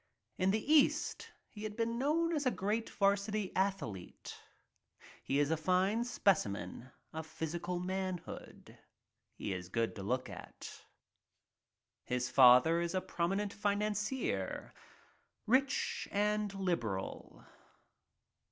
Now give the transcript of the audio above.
In the East he had been known as a great varsity athlete. He is a fine specimen of physical manhood. He is 70 A MOVIE QUEEN good to look at. His father is a prominent financier, rich and liberal.